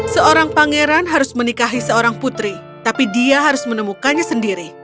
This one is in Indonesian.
seorang pangeran harus menikahi seorang putri tapi dia harus menemukannya sendiri